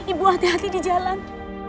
ibu hati hati di jalan